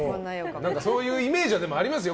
そういうイメージはありますよ。